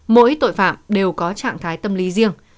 mỗi tội phạm đều có trạng thái tâm lý riêng